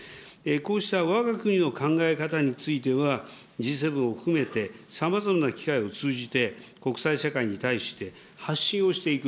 こうしたわが国の考え方については、Ｇ７を含めて、さまざまな機会を通じて、国際社会に対して発信をしていく、